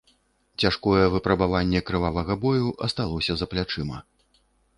Цяжкое выпрабаванне крывавага бою асталося за плячыма.